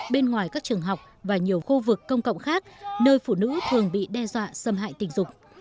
bên ngoài các trường học và nhiều khu vực công cộng khác nơi phụ nữ thường bị đe dọa xâm hại tình dục